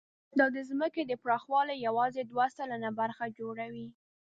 دا د ځمکې د پراخوالي یواځې دوه سلنه برخه جوړوي.